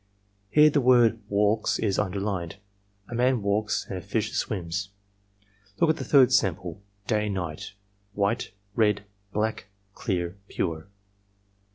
"Here the word wcdks is imderlined. A man walks and a fish swims. "Look at the third sample: Day — anight :: white — ^red, black, clear, piu'e.